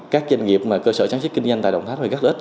các doanh nghiệp mà cơ sở sản xuất kinh doanh tại đồng tháp rất ít